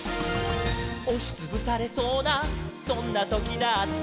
「おしつぶされそうなそんなときだって」